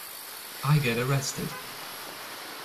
I get arrested.